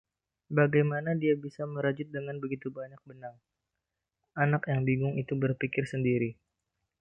‘Bagaimana dia bisa merajut dengan begitu banyak benang?’ Anak yang bingung itu berpikir sendiri.